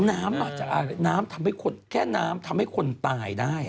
น้ำอาจจะอาจแค่น้ำทำให้คนตายได้